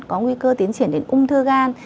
có nguy cơ tiến triển đến ung thư gan